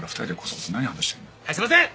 はいすいません！